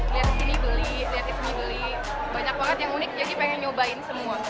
lihat sini beli lihat di sini beli banyak banget yang unik jadi pengen nyobain semua